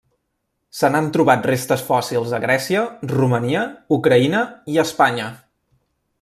Se n'han trobat restes fòssils a Grècia, Romania, Ucraïna i Espanya.